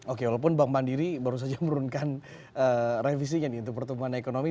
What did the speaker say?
oke walaupun bank mandiri baru saja menurunkan revisinya untuk pertumbuhan ekonomi